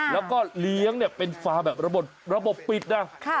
แล้วก็เลี้ยงเนี้ยเป็นฟาร์มแบบระบบปิดนะค่ะ